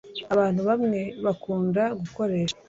Abantu bamwe bakunda gukoresha